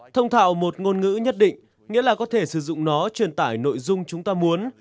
thông thạo một ngôn ngữ nhất định nghĩa là có thể sử dụng nó truyền tải nội dung chúng ta muốn